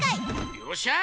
よっしゃ！